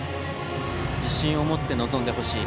自信を持って臨んでほしい。